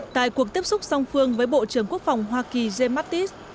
tại cuộc tiếp xúc song phương với bộ trưởng quốc phòng hoa kỳ james mattis